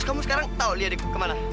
sedikit lagi bu